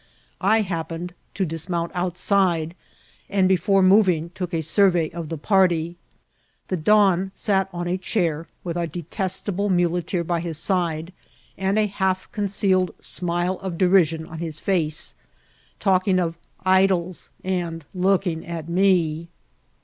I happened to dismount outside ; and, before moving, took a survey of the party. The don sat on a chair, with our detestable muleteer by his side, and a half concealed smile of derision on his face, talking of <^ idols," and looking at me.